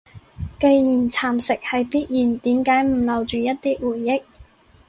既然蠶蝕係必然，點解唔留住一啲回憶？